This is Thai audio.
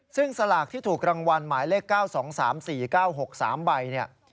ซึ่งสลากที่ถูกรางวัลหมายเลข๙๒๓๔๙๖๓ใบเนี่ย